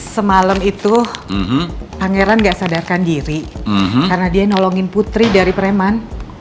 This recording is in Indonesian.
semalam itu pangeran gak sadarkan diri karena dia nolongin putri dari preman